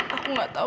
aku gak tau